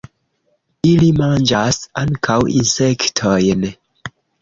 Ili manĝas ankaŭ insektojn.